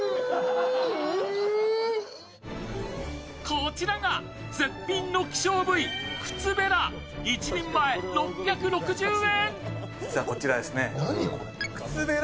こちらが絶品の希少部位、クツベラ、１人前、６６０円。